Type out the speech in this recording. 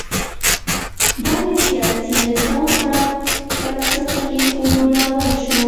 دا د سیاسي نظام پراخ بنسټه کېدو لامل شول